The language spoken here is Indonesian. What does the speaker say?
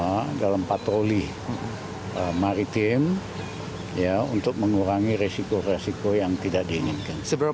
kita dalam patroli maritim untuk mengurangi resiko resiko yang tidak diinginkan